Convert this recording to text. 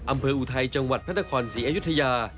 อำเภออูไทยจังหวัดพันธกรศรีอายุทยา